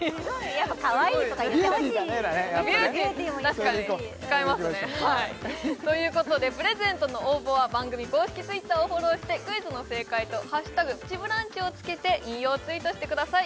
やっぱねビューティーも言ってほしいビューティー確かに使えますねということでプレゼントの応募は番組公式Ｔｗｉｔｔｅｒをフォローしてクイズの正解と「＃プチブランチ」を付けて引用ツイートしてください